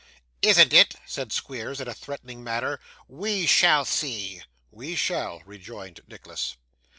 'Isn't it?' said Squeers in a threatening manner. 'We shall see!' 'We shall,' rejoined Nicholas.